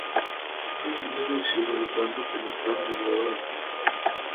Ibyishimo bitunguranye kandi bibabaza